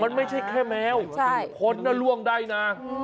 มันไม่ใช่แค่แมวคนน่ะล่วงได้นะ